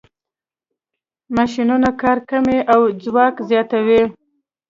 ماشینونه کار کموي او ځواک زیاتوي.